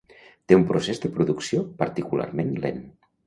Té un procés de producció particularment lent.